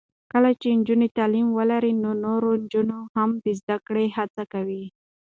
کله چې نجونې تعلیم ولري، نو نورې نجونې هم د زده کړې هڅې کوي.